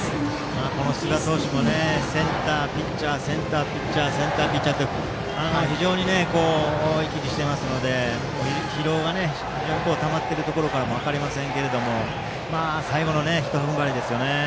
寿賀投手もセンター、ピッチャーセンター、ピッチャーセンター、ピッチャーと非常に行き来してますので疲労がたまっているところか分かりませんが最後の一踏ん張りですかね。